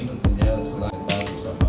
menjelaskan selain kami sama